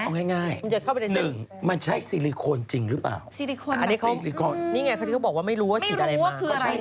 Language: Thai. มันจะเข้าไปในเส้น๑มันใช่ซิลิโคนจริงหรือเปล่านี่ไงเค้าบอกว่าไม่รู้ว่าฉีดอะไรมา